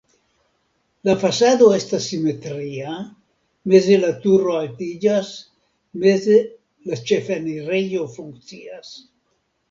La fasado estas simetria, meze la turo altiĝas, meze la ĉefenirejo funkcias.